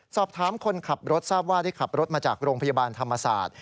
สอบถามคนขับรถทราบว่าได้ขับรถมาจากโรงพยาบาลธรรมศาสตร์